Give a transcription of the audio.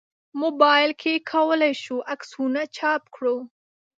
موبایل کې کولای شو عکسونه چاپ کړو.